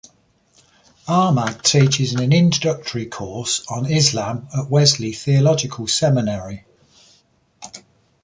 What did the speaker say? Ahmad teaches an introductory course on Islam at Wesley Theological Seminary.